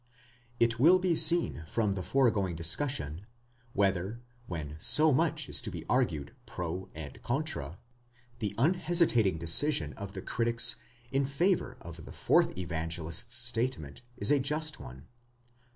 16 It will be seen from the foregoing discussion, whether, when so much is to be argued 270 and contra, the unhesitating decision of the critics in favour of the fourth Evangelist's statement is ajust one.